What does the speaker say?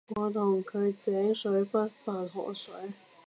我同佢井水不犯河水